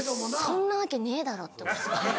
そんなわけねえだろと。